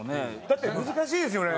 だって難しいですよね。